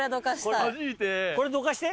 これどかしたい。